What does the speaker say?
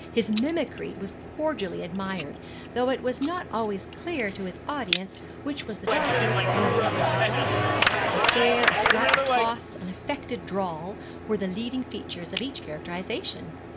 His mimicry was cordially admired, though it was not always clear to his audience which was the doctor and which was his daughter. A stare, a strut, a toss, an affected drawl were the leading features of each characterization.